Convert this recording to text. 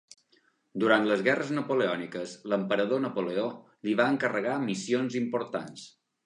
Durant les guerres napoleòniques, l'emperador Napoleó li va encarregar missions importants.